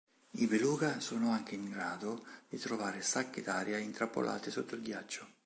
I beluga sono anche in grado di trovare sacche d'aria intrappolate sotto il ghiaccio.